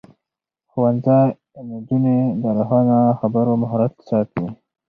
ښوونځی نجونې د روښانه خبرو مهارت ساتي.